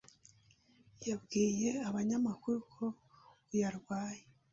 yabwiye abanyamakuru ko uyu arwaye